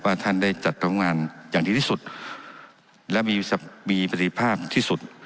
ว่าท่านได้จัดกรรมงานอย่างดีที่สุดและมีมีปฏิภาพที่สุด